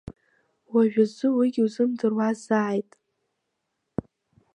Уажәазы уигь узымдыруазааит!